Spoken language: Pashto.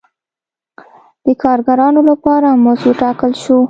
د کارګرانو لپاره مزد وټاکل شو.